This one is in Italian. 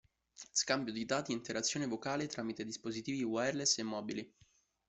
Scambio di dati e interazione vocale tramite dispositivi wireless e mobili.